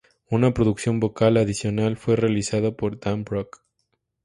Una producción vocal adicional fue realizada por Dan Brook.